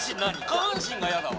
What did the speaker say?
下半身が嫌だわ